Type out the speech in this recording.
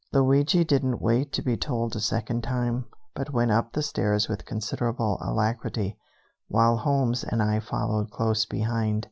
Luigi didn't wait to be told a second time, but went up the stairs with considerable alacrity, while Holmes and I followed close behind.